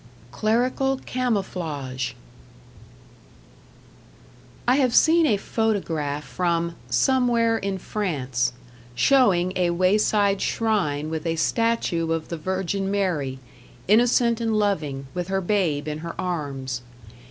#Clerical Camouflage# I have seen a photograph from "Somewhere in France", showing a wayside shrine with a statue of the Virgin Mary, innocent and loving, with her babe in her arms.